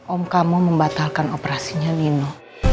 om kamu membatalkan operasinya nino